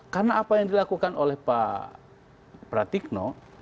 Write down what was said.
karena apa yang dilakukan oleh pak pratikno